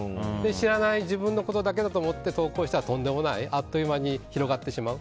知らない自分のことだけと思って投稿したのがとんでもないあっという間に広がってしまう。